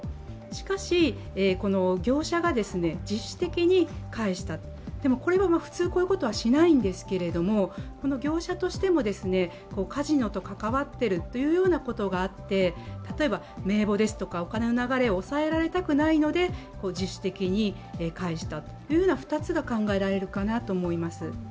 しかし、この業者が自主的に返した、でもこれは普通、こういうことはしないんですけど、業者としてもカジノと関わっているというようなことがあって例えば名簿ですとかお金の流れを押さえられたくないので自主的に返したという２つが考えられるかなと思います。